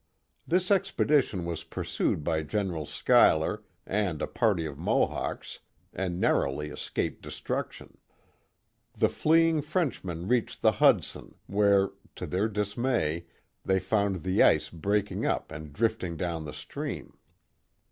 This expedition was pursued by General Schuyler and a party of Mohawks, and narrowly escaped destruction. The fleeing Frenchmen reached the Hudson, where, to their dis may, they found the ice breaking up and drifting down the stream.